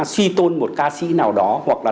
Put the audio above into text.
suy tôn một ca sĩ nào đó hoặc là